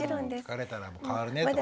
疲れたら代わるねとか。